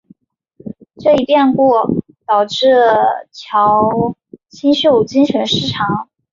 这一变故导致乔清秀精神失常。